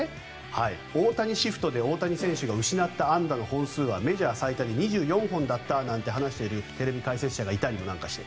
大谷シフトで大谷選手が失った安打の本数はメジャー最多で２４本だったなんて話しているテレビ解説者がいたりもして。